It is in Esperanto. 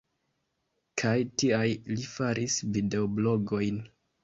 Kaj tial mi faris videoblogojn.